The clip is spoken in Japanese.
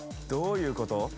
どういうこと？